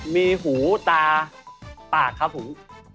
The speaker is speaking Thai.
มีหูตาปากครับผม